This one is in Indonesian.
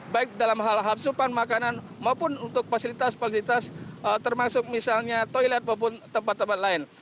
baik dalam hal hapsupan makanan maupun untuk fasilitas fasilitas termasuk misalnya toilet maupun tempat tempat lain